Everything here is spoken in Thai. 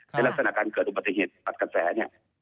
ในลักษณะการเกิดอุบัติเหตุปัดกระแสเนี่ย